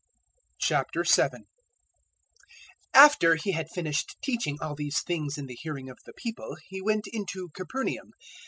007:001 After He had finished teaching all these things in the hearing of the people, He went into Capernaum.